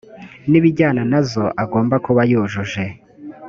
n ibijyana na zo agomba kuba yujuje